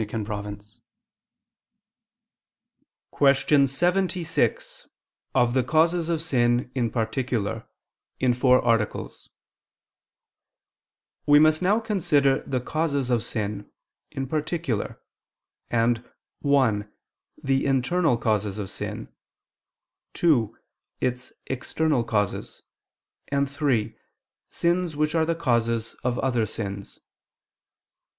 ________________________ QUESTION 76 OF THE CAUSES OF SIN, IN PARTICULAR (In Four Articles) We must now consider the causes of sin, in particular, and (1) The internal causes of sin; (2) its external causes; and (3) sins which are the causes of other sins.